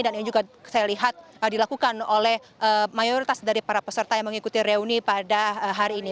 dan ini juga saya lihat dilakukan oleh mayoritas dari para peserta yang mengikuti reuni pada hari ini